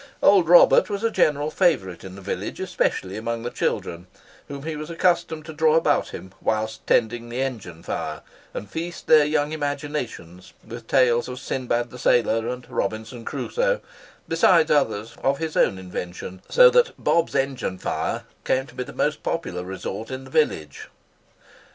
Old Robert was a general favourite in the village, especially amongst the children, whom he was accustomed to draw about him whilst tending the engine fire, and feast their young imaginations with tales of Sinbad the Sailor and Robinson Crusoe, besides others of his own invention; so that "Bob's engine fire" came to be the most popular resort in the village.